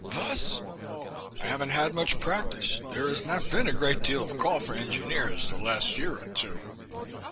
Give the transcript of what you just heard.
"Vas?" "I haven't had much practice. There has not been a great deal of call for engineers, the last year or two."